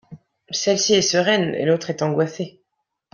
Celle-ci est sereine et l'autre est angoissé.